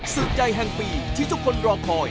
ศึกใหญ่แห่งปีที่ทุกคนรอคอย